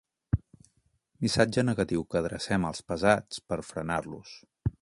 Missatge negatiu que adrecem als pesats per frenar-los.